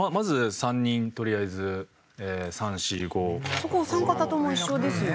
そこお三方とも一緒ですよね。